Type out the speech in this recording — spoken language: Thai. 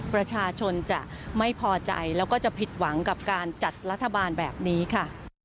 ประชาชนจะไม่พอใจแล้วก็จะผิดหวังกับการจัดรัฐบาลแบบนี้ค่ะ